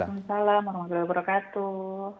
waalaikumsalam warahmatullahi wabarakatuh